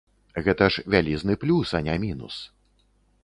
Гэта ж вялізны плюс, а не мінус.